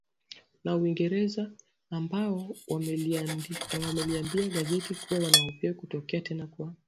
na Uingereza ambao wameliambia gazeti kuwa wanahofia kutokea tena kwa